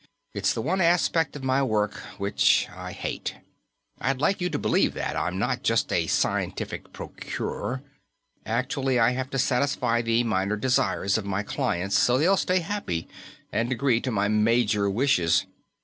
It's the one aspect of my work which I hate. I'd like you to believe that I'm not just a scientific procurer. Actually, I have to satisfy the minor desires of my clients, so they'll stay happy and agree to my major wishes.